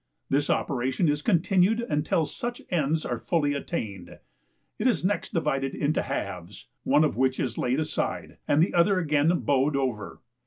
This operation is continued until such ends are fully attained. It is next divided into halves, one of which is laid aside, and the other again bowed over.